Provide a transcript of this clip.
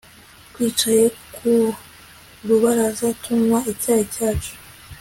twicaye ku rubaraza tunywa icyayi cyacu